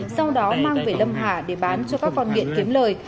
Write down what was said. sau đó mang về lâm hà để bán cho các con nghiện kiếm lời